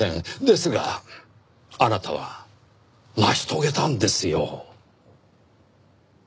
ですがあなたは成し遂げたんですよ！